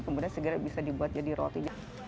kemudian segera bisa dibuat jadi roti